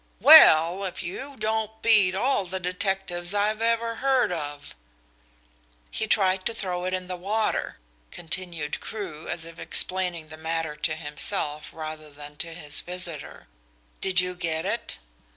"Well, if you don't beat all the detectives I've ever heard of." "He tried to throw it in the water," continued Crewe, as if explaining the matter to himself rather than to his visitor. "Did you get it?"